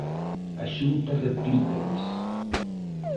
A Xunta replícalles.